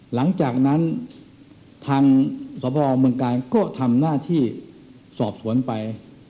หลังจากนั้นทางสพเมืองกาลก็ทำหน้าที่สอบสวนไป